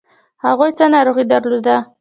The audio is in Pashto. هغوی څه ناروغي درلوده؟